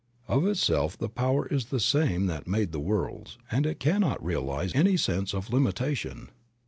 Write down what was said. Of itself the power is the same that made the worlds, and it cannot realize any sense of limitation.